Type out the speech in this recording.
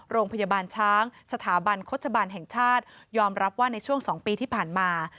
โรงพยาบาลช้างสถาบันโฆษบาลแห่งชาติยอมรับว่าในช่วง๒ปีที่ผ่านมา